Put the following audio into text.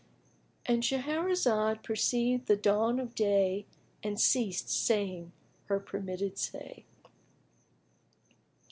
"—And Shahrazad perceived the dawn of day and ceased saying her permitted say.